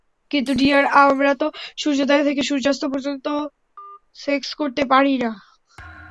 কিন্তু, ডিয়ার, আমরা তো সূর্যোদয় থেকে সূর্যাস্ত পর্যন্ত সেক্স করতে পারি না।